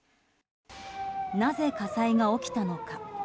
なぜ、火災が起きたのか。